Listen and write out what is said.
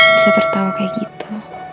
bisa tertawa kayak gitu